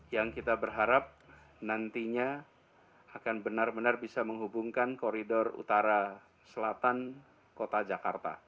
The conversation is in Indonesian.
yang kita berharap nantinya akan benar benar bisa menghubungkan koridor utara selatan kota jakarta